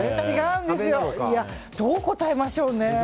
どう答えましょうね。